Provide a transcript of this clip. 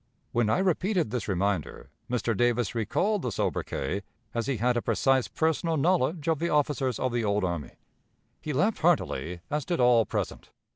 When I repeated this reminder, Mr. Davis recalled the sobriquet, as he had a precise personal knowledge of the officers of the old army. He laughed heartily, as did all present.